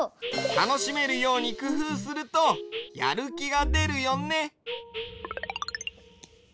たのしめるようにくふうするとやるきがでるよね。